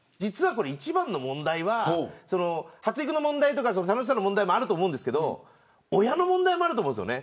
一番の問題は発育の問題とか楽しさの問題とかあるんですけど親の問題もあるんです。